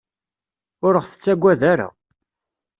Ur ɣ-tettagad ara.